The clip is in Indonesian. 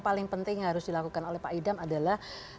paling penting yang harus dilakukan oleh pak idam adalah